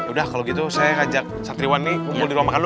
udah kalau gitu saya ajak satriwan nih kumpul di rumah makan dulu